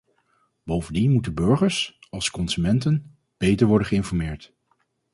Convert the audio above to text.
Bovendien moeten burgers, als consumenten, beter worden geïnformeerd.